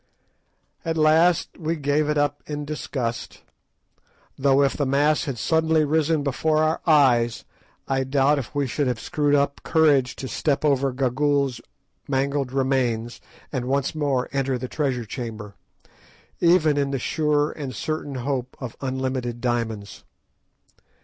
At last we gave it up in disgust; though, if the mass had suddenly risen before our eyes, I doubt if we should have screwed up courage to step over Gagool's mangled remains, and once more enter the treasure chamber, even in the sure and certain hope of unlimited diamonds.